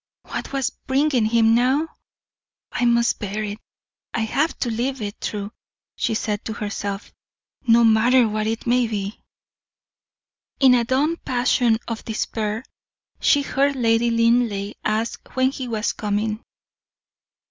What was bringing him now? "I must bear it, I have to live it through," she said to herself, "no matter what it may be." In a dumb passion of despair, she heard Lady Linleigh ask when he was coming.